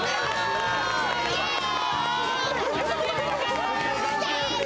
イエーイ！